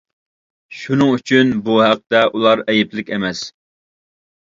شۇنىڭ ئۈچۈن بۇ ھەقتە ئۇلار ئەيىبلىك ئەمەس.